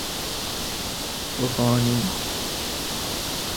قانی